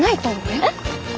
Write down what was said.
えっ？